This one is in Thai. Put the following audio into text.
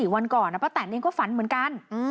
วันก่อนป้าแตนเองก็ฝันเหมือนกัน